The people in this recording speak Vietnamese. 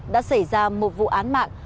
đã xảy ra một vụ án mạng